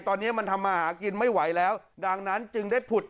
ตอนนี้มันทำมาหากินไม่ไหวแล้วดังนั้นจึงได้ผุด